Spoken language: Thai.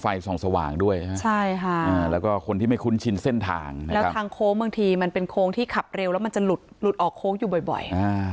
ปีนี้เยอะมากเลยที่ผมอยู่เนี่ยปีนี้เยอะมากเลยเนี่ย